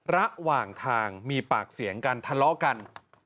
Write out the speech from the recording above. ระหว่างทางมีปากเสียงกันทะเลาะกัน